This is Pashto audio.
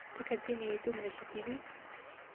ځکه ځینې یې دومره جدي وې.